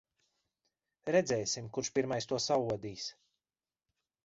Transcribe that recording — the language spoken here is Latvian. Redzēsim, kurš pirmais to saodīs.